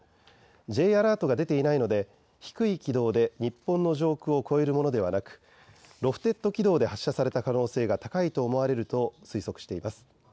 Ｊアラートが出ていないので低い軌道で日本の上空を超えるものではなくロフテッド軌道で発射された可能性が高いと思われると推測しています。